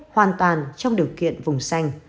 hoàn toàn trong điều kiện vùng xanh